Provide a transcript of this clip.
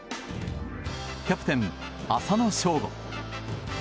キャプテン、浅野翔吾。